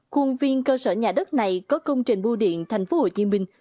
khuôn viên cơ sở nhà đất này có công trình bu điện thành phố hồ chí minh